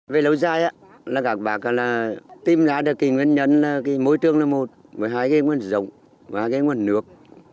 về lâu dài các bác tìm ra được nguyên nhân là môi trường là một một mươi hai cái nguồn rộng một mươi hai cái nguồn nước